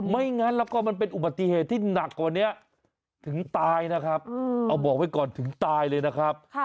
ไม่งั้นแล้วก็มันเป็นอุบัติเหตุที่หนักกว่านี้ถึงตายนะครับเอาบอกไว้ก่อนถึงตายเลยนะครับ